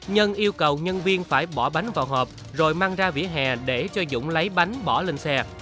nhân yêu cầu nhân viên phải bỏ bánh vào hộp rồi mang ra vỉa hè để cho dũng lấy bánh bỏ lên xe